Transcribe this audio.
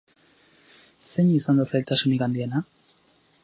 Zein izan da zailtasunik handiena?